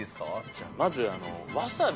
じゃあまずわさび。